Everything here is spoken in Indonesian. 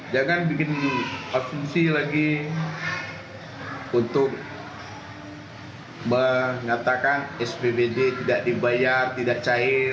jangan bikin asumsi lagi untuk mengatakan spbd tidak dibayar tidak cair